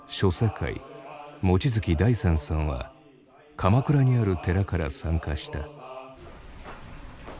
界望月大仙さんは鎌倉にある寺から参加した。